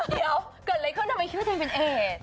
เดี๋ยวเกิดอะไรขึ้นทำไมคิดว่าตัวเองเป็นเอก